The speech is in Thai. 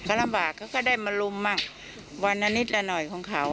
เค้าลำบากเค้าก็ได้มารุมมั่งวันนั้นนิดละหน่อยของเค้า